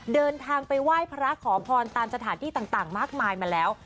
เดินทางไปว่ายภาระขอพรตามจตรัสต่างมากมายมาแล้ว